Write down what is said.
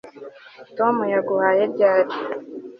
tom yaguhaye ryari